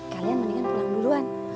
kalian mendingan pulang duluan